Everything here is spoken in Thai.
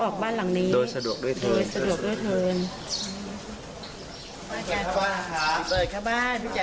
ขอบคุณค่ะ